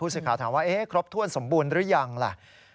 สิทธิ์ถามว่าครบถ้วนสมบูรณ์หรือยังล่ะ